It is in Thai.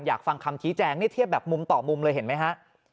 อยากฟังคำชี้แจงนี่เทียบแบบมุมต่อมุมเลยเห็นไหมฮะ